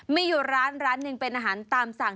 มีอยู่ร้านร้านหนึ่งเป็นอาหารตามสั่ง